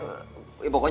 mampus ah mulai lagi deh